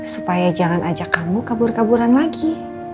supaya jangan ajak kamu kabur kaburan lagi